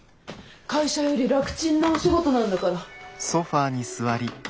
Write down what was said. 会社より楽ちんなお仕事なんだから。